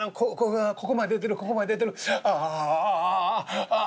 ここまで出てるここまで出てるああ